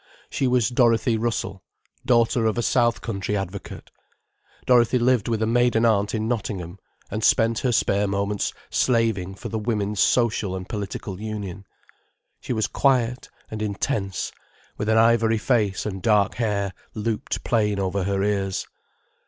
She was Dorothy Russell, daughter of a south country advocate. Dorothy lived with a maiden aunt in Nottingham, and spent her spare moments slaving for the Women's Social and Political Union. She was quiet and intense, with an ivory face and dark hair looped plain over her ears.